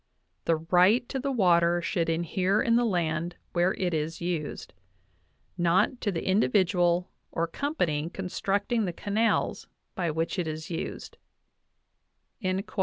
... The right to the water should inhere in the land where it is used, ... not to the individual or company constructing the canals by which it is used" (42, 43).